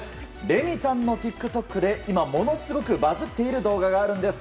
レミたんのＴｉｋＴｏｋで今ものすごくバズっている動画があるんです。